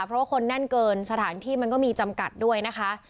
เพราะว่าคนแน่นเกินสถานที่มันก็มีจำกัดด้วยนะคะ